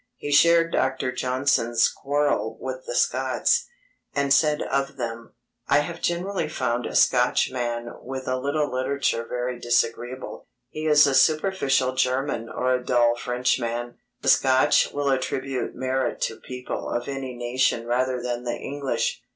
He shared Dr. Johnson's quarrel with the Scots, and said of them: I have generally found a Scotchman with a little literature very disagreeable. He is a superficial German or a dull Frenchman. The Scotch will attribute merit to people of any nation rather than the English.